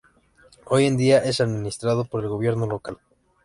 Hoy en día, es administrado por el gobierno local.